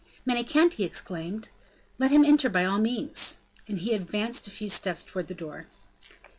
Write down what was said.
"Manicamp!" he exclaimed; "let him enter by all means." And he advanced a few steps toward the door.